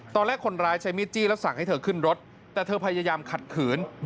ตอนแรกคนร้ายใช้มีดจี้แล้วสั่งให้เธอขึ้นรถแต่เธอพยายามขัดขืน